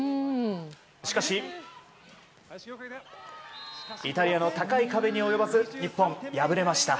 しかしイタリアの高い壁に及ばず日本、敗れました。